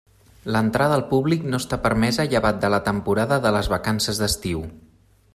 L'entrada al públic no està permesa llevat de la temporada de les vacances d'estiu.